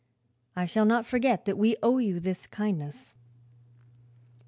I shall not forget that we owe you this kindness."